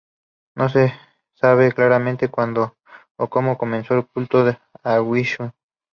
No se sabe claramente cuándo o cómo comenzó el culto a Vishnu.